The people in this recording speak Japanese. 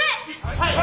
はい！